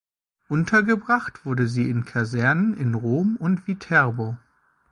Untergebracht wurde sie in Kasernen in Rom und Viterbo.